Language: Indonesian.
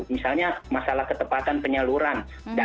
misalnya masalah ketepatan penyaluran